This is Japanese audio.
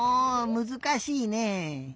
むずかしいね。